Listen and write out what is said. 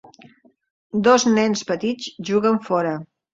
Dos nens petits juguen fora.